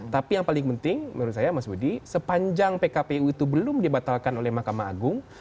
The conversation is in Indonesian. tapi yang paling penting menurut saya mas budi sepanjang pkpu itu belum dibatalkan oleh mahkamah agung